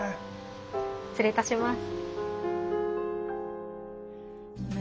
失礼いたします。